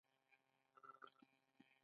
چین ډیجیټل اقتصاد پرمختللی دی.